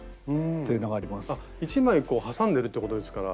１枚挟んでるということですから。